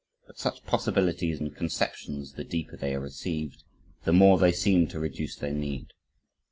But such possibilities and conceptions, the deeper they are received, the more they seem to reduce their need.